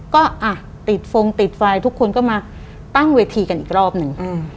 ก็อ่ะติดฟงติดไฟทุกคนก็มาตั้งเวทีกันอีกรอบหนึ่ง